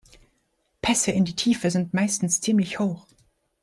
Pässe in die Tiefe sind meistens ziemlich hoch.